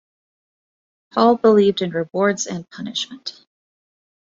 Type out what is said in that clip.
Paul believed in rewards and punishment.